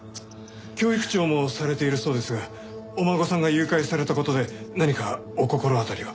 教育長もされているそうですがお孫さんが誘拐された事で何かお心当たりは？